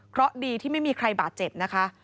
เพราะดีที่ไม่มีใครบาดเจ็บนะคะ